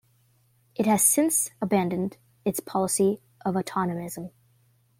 It has since abandoned its policy of autonomism.